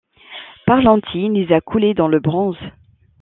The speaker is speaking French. Parlanti les a coulées dans le bronze.